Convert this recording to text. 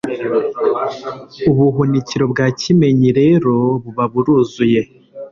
ubuhunikiro bwa Kimenyi rero buba buruzuye,